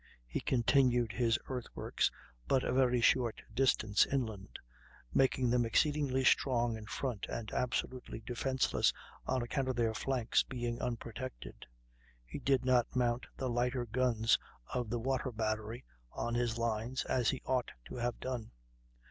He continued his earthworks but a very short distance inland, making them exceedingly strong in front, and absolutely defenceless on account of their flanks being unprotected. He did not mount the lighter guns of the water battery on his lines, as he ought to have done.